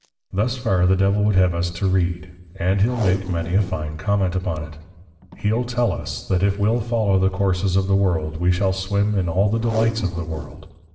_ Thus far the Devil would have us to Read; and he'll make many a fine Comment upon it; he'll tell us, That if we'll follow the Courses of the World, we shall swim in all the Delights of the World.